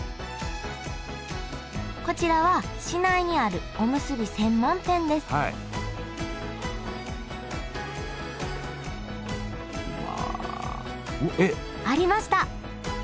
こちらは市内にあるおむすび専門店ですありました！